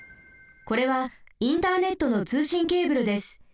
これはインターネットのつうしんケーブルです。